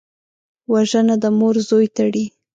وژنه د مور زوی تړي